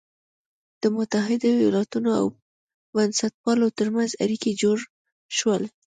د متحدو ایالتونو او بنسټپالو تر منځ اړیکي جوړ شول.